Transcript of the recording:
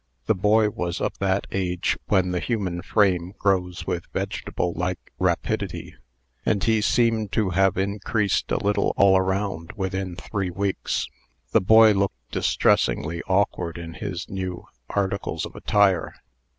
The boy was of that age when the human frame grows with vegetable like rapidity; and he seemed to hare increased a little all around within three weeks. The boy looked distressingly awkward in his new articles of attire.